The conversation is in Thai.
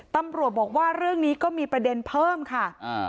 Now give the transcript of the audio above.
ตำรวจบอกว่าเรื่องนี้ก็มีประเด็นเพิ่มค่ะอ่า